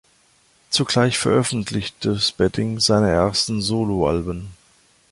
Zugleich veröffentlichte Spedding seine ersten Solo-Alben.